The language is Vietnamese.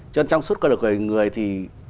cho nên trong suốt cơ độc người thì